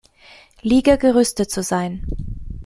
Liga gerüstet zu sein.